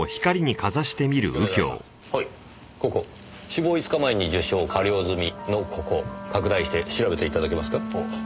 「死亡５日前に受傷加療済み」のここ拡大して調べて頂けますか？